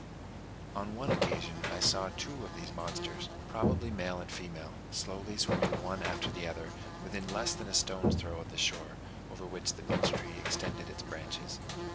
On one occasion I saw two of these monsters, probably male and female, slowly swimming one after the other, within less than a stone's throw of the shore, over which the beech tree extended its branches.